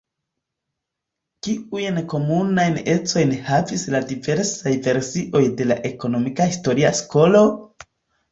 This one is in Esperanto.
Kiujn komunajn ecojn havis la diversaj versioj de la ekonomika historia skolo?